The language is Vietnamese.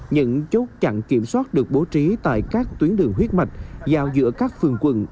những chốt chặn kiểm soát được bố trí tại các tuyến đường huyết mạch giao giữa các phường quận